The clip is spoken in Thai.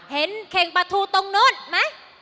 เห็นเข่งปทูตรงนู้นไหม